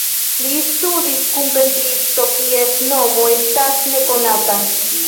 Li studis kun pentristo kies nomo estas nekonata.